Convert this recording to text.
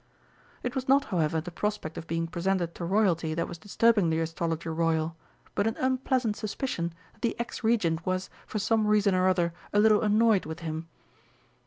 It was not, however, the prospect of being presented to Royalty that was disturbing the Astrologer Royal, but an unpleasant suspicion that the ex Regent was, for some reason or other, a little annoyed with him.